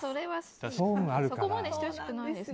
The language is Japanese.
そこまでしてほしくないです。